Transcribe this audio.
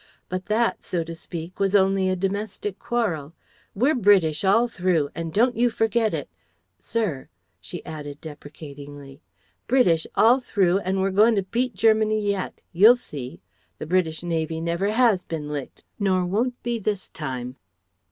But that, so to speak, was only a domestic quarrel. We're British all through, and don't you forget it sir (she added deprecatingly): British all through and we're goin' to beat Germany yet, you'll see. The British navy never has been licked nor won't be, this time."